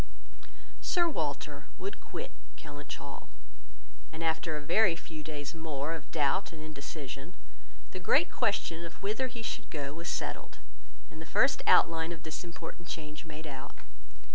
Sir Walter would quit Kellynch Hall; and after a very few days more of doubt and indecision, the great question of whither he should go was settled, and the first outline of this important change made out.